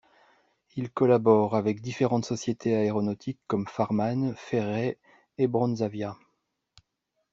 Il collabore avec différentes sociétés aéronautiques comme Farman, Fairey et Bronzavia.